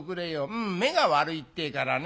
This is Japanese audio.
うん目が悪いってえからね。